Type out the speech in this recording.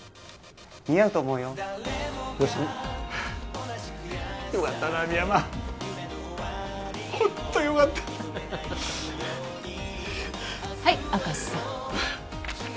似合うと思うよよかったな深山ホントよかったはい明石さん